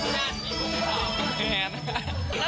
น่าจะกลิ่นผมกับเขา